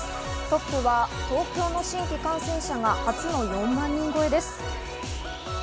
トップは東京の新規感染者が初の４万人超えです。